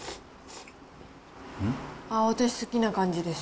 私、好きな感じです。